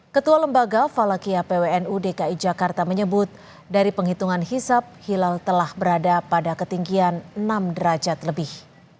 ketua lembaga falakia pwnu dki jakarta menyebut dari penghitungan hisap hilal telah berada pada ketinggian enam derajat lebih